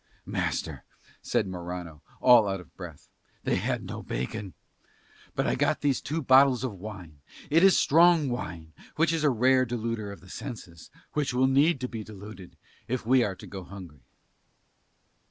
"Master," said Morano, all out of breath, "they had no bacon. But I got these two bottles of wine. It is strong wine, which is a rare deluder of the senses, which will need to be deluded if we are to go hungry."